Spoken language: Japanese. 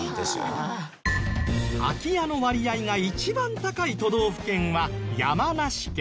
空き家の割合が一番高い都道府県は山梨県。